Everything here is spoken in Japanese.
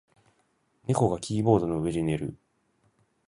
猫がキーボードの上で寝る。